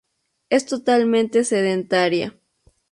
Es totalmente sedentaria.